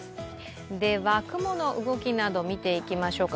では雲の動きなど見ていきましょうか。